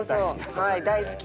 はい大好き。